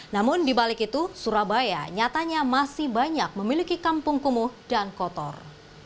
namun dibalik itu surabaya nyatanya masih banyak memiliki kampung kumuh dan kotor